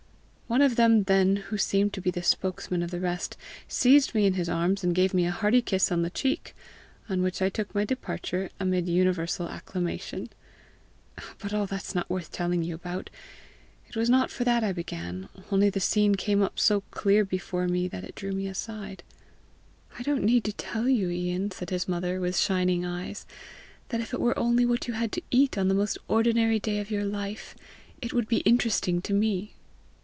One of them then who seemed to be the spokesman of the rest, seized me in his arms and gave me a hearty kiss on the cheek, on which I took my departure amid universal acclamation. But all that's not worth telling you about; it was not for that I began only the scene came up so clear before me that it drew me aside." "I don't need to tell you, Ian," said his mother, with shining eyes, "that if it were only what you had to eat on the most ordinary day of your life, it would be interesting to me!"